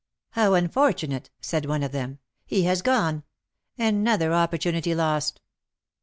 "How unfortunate!" said one of them; "he has gone, another opportunity lost."